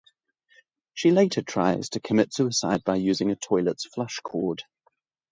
She later tries to commit suicide by using a toilet's flush cord.